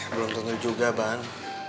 belum tunduk juga bang